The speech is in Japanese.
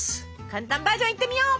簡単バージョンいってみよう！